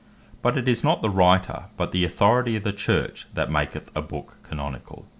But it is not the Writer, but the authority of the Church, that maketh a Book Canonicall.